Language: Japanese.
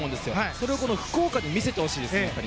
それをこの福岡で見せてほしいです。